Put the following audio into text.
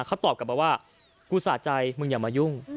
เขาตอบกลับมาว่ากูสะใจมึงอย่ามายุ่ง